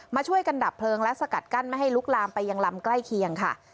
มาช่วยกันดับเพลิงและสกัดกั้นไม่ให้ลุกลามไปยังลำใกล้เคียงค่ะ